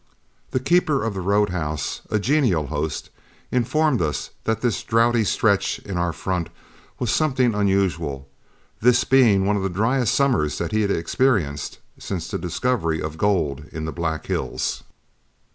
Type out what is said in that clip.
The keeper of the road house, a genial host, informed us that this drouthy stretch in our front was something unusual, this being one of the dryest summers that he had experienced since the discovery of gold in the Black Hills.